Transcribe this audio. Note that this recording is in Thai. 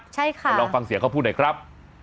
เราลองฟังเสียเขาพูดหน่อยครับ